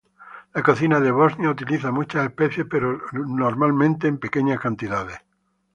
La cocina de Bosnia utiliza muchas especias, pero usualmente en pequeñas cantidades.